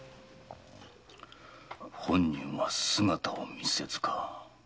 本人は姿を見せずか。